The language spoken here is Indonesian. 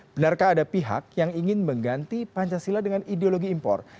benarkah ada pihak yang ingin mengganti pancasila dengan ideologi impor